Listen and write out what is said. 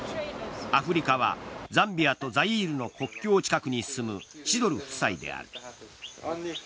アフリカはザンビアとザイールの国境近くに住むチドル夫妻である。